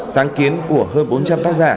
sáng kiến của hơn bốn trăm linh tác giả